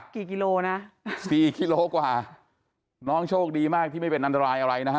กี่กิโลนะสี่กิโลกว่าน้องโชคดีมากที่ไม่เป็นอันตรายอะไรนะฮะ